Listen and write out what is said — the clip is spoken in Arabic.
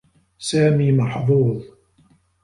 سامي محظوظ.